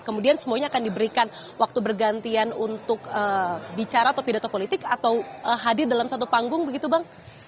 kemudian semuanya akan diberikan waktu bergantian untuk bicara atau pidato politik atau hadir dalam satu panggung begitu bang